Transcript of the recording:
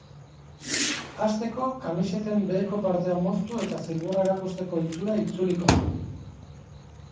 Hasteko, kamiseten beheko partea moztu eta zilborra erakusteko ohitura itzuliko da.